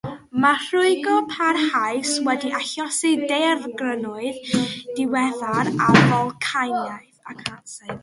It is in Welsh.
Mae rhwygo parhaus wedi achosi daeargrynoedd diweddar a folcaniaeth.